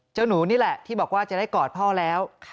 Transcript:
หนูนี่แหละที่บอกว่าจะได้กอดพ่อแล้ว